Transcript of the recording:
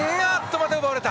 また奪われた。